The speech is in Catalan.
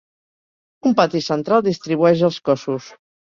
Un pati central distribueix els cossos.